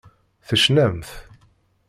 Tecnamt.